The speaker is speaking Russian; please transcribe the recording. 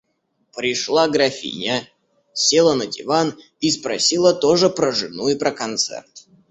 Пришла графиня, села на диван и спросила тоже про жену и про концерт.